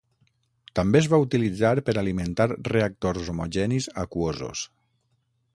També es va utilitzar per alimentar reactors homogenis aquosos.